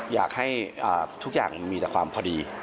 อยากให้ทุกอย่างมีแต่ความพอดี